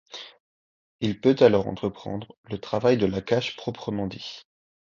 Il peut alors entreprendre le travail de laquage proprement dit.